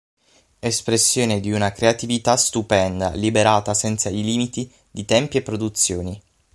Espressione di una creatività stupenda, liberata senza i limiti di tempi e produzioni.